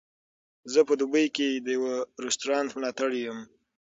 زه په دوبۍ کې د یوه رستورانت ملاتړی یم.